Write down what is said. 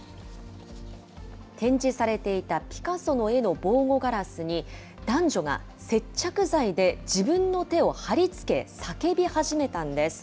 展示されていたピカソの絵の防護ガラスに、男女が接着剤で自分の手を貼り付け、叫び始めたんです。